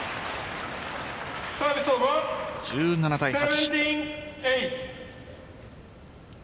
１７対８。